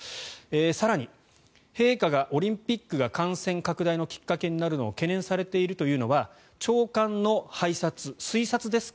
更に、陛下がオリンピックが感染拡大のきっかけになるのを懸念されているというのは長官の拝察、推察ですか？